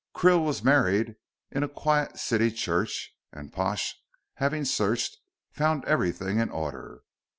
Krill was married in a quiet city church, and Pash, having searched, found everything in order.